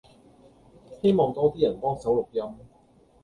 希望多 D 人幫手錄音